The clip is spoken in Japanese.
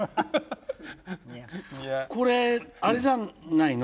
これあれじゃないの？